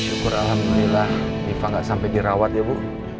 syukur alhamdulillah diva gak sampe dirawat ya bu